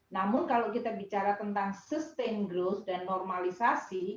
namun kalau kita bicara tentang sustain growth dan normalisasi